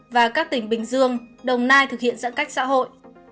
và các tỉnh bình dương đồng nai thực hiện giãn cách xã hội